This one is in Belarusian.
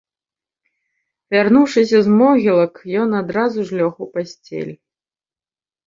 Вярнуўшыся з могілак, ён адразу ж лёг у пасцель.